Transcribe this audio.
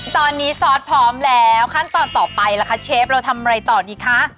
ตอนนี้ซอสพร้อมแล้วขั้นตอนต่อไปล่ะคะเชฟเราทำอะไรต่อดีคะ